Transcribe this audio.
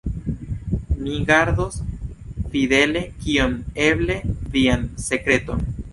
Mi gardos fidele, kiom eble, vian sekreton.